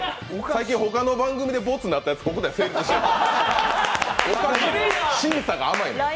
最近、他の番組でボツになったやつ、ここで成立してるのよ。